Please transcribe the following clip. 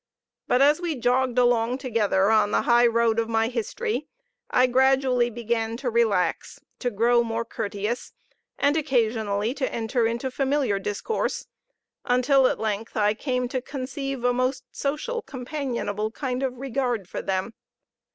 But as we jogged along together on the high road of my history, I gradually began to relax, to grow more courteous, and occasionally to enter into familiar discourse, until at length I came to conceive a most social, companionable kind of regard for them.